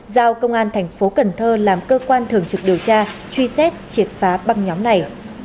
giao công an tp cn làm cơ quan thường trực điều tra truy xét triệt phá băng nhóm này